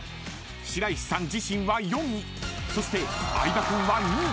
［白石さん自身は４位そして相葉君は２位と予想］